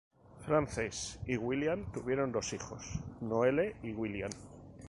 Frances y William tuvieron dos hijos, Noelle y William.